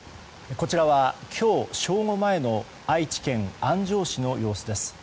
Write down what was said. こちらは今日正午前の愛知県安城市の様子です。